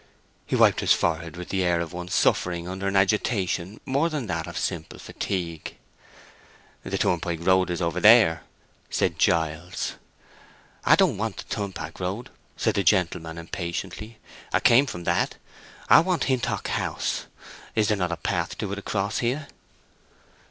He wiped his forehead with the air of one suffering under an agitation more than that of simple fatigue. "The turnpike road is over there," said Giles "I don't want the turnpike road," said the gentleman, impatiently. "I came from that. I want Hintock House. Is there not a path to it across here?"